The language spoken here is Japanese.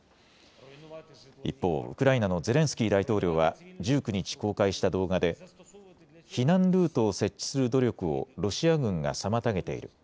一方、ウクライナのゼレンスキー大統領は１９日、公開した動画で避難ルートを設置する努力をロシア軍が妨げている。